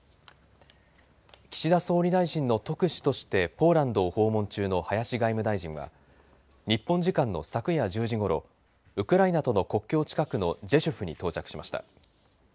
岸田総理大臣の特使としてポーランドを訪問中の林外務大臣は日本時間の昨夜１０時頃ウクライナとの国境近くのジェシュフに到着しました。